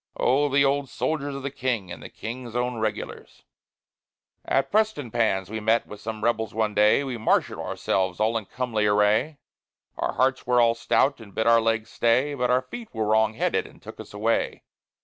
Oh! the old soldiers of the King, and the King's own Regulars. At Prestonpans we met with some rebels one day, We marshalled ourselves all in comely array; Our hearts were all stout, and bid our legs stay, But our feet were wrong headed and took us away.